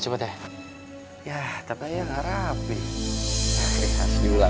tufa tunggu disini ya